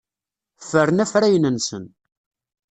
Ffren afrayen-nsen.